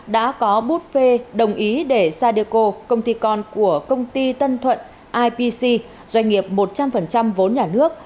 đã có bút phê đồng ý để sadeco công ty con của công ty tân thuận ipc doanh nghiệp một trăm linh vốn nhà nước